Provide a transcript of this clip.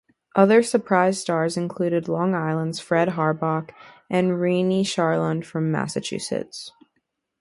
Other surprise stars included Long Island's Fred Harbach and Rene Charland from Massachusetts.